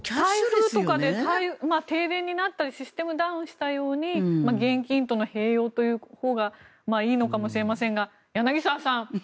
停電になってシステムダウンしてもということで現金との併用というほうがいいのかもしれませんが柳澤さん